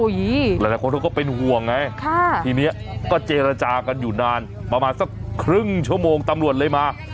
หลายคนเขาก็เป็นห่วงไงทีนี้ก็เจรจากันอยู่นานประมาณสักครึ่งชั่วโมงตำรวจเลยมา